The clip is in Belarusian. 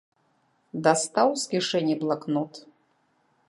Дастаў з кішэні блакнот.